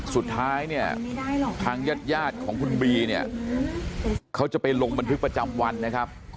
สุดท้ายเนี่ยทางญาติยาดของคุณบีเนี่ยเขาจะไปลงบันทึกประจำวันนะครับ